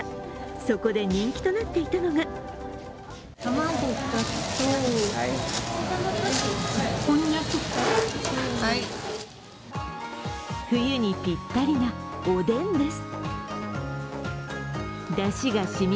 そこで人気となっていたのが冬にぴったりなおでんです。